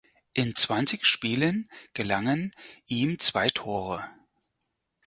In zwanzig Spielen gelangen ihm zwei Tore.